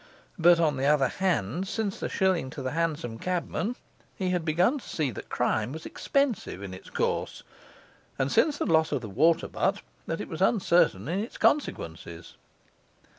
But on the other hand, since the shilling to the hansom cabman, he had begun to see that crime was expensive in its course, and, since the loss of the water butt, that it was uncertain in its consequences.